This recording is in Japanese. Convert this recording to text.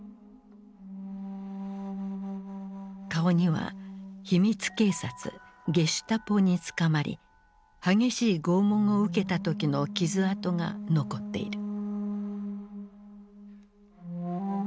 顔には秘密警察ゲシュタポに捕まり激しい拷問を受けた時の傷痕が残っている。